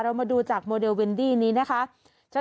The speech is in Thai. มาดูจากโมเดลเวนดี้นี้นะคะ